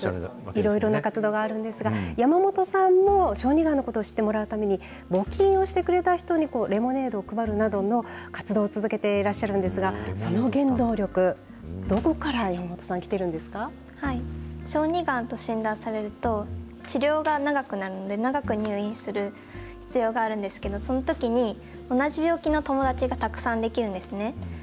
いろいろな活動があるんですが、山本さんも小児がんのことを知ってもらうために、募金をしてくれた人にレモネードを配るなどの活動を続けていらっしゃるんですが、その原動力、どこから山本小児がんと診断されると、治療が長くなるので、長く入院する必要があるんですけど、そのときに同じ病気の友達がたくさんできるんですね。